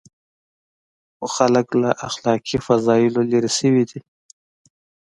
خو خلک له اخلاقي فضایلو لرې شوي دي.